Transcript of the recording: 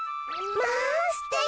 まあすてき。